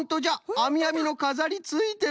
あみあみのかざりついてる！